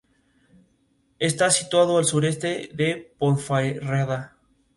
Durante esta protesta, la multitud quemó la bandera albanesa.